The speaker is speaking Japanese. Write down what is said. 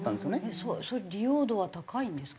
それ利用度は高いんですか？